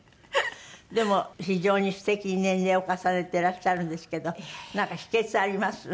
でも非常に素敵に年齢を重ねていらっしゃるんですけどなんか秘訣あります？